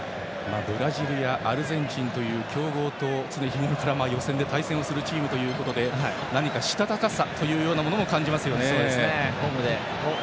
ブラジルやアルゼンチンという強豪と常日頃から予選で対戦するチームということで何かしたたかさというものも感じますよね。